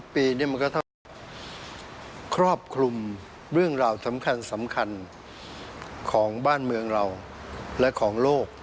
ปีนี้มันก็ต้องครอบคลุมเรื่องราวสำคัญของบ้านเมืองเราและของโลก